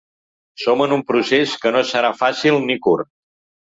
Som en un procés que no serà fàcil ni curt.